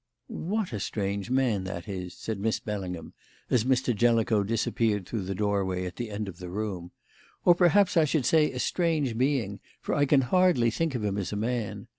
"What a strange man that is," said Miss Bellingham, as Mr. Jellicoe disappeared through the doorway at the end of the room, "or perhaps I should say, a strange being, for I can hardly think of him as a man.